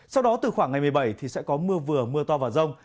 sau đó từ khoảng ngày một mươi bảy thì sẽ có mưa vừa mưa to và rông